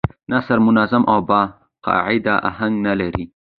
نثر منظم او با قاعده اهنګ نه لري.